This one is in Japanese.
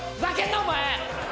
お前。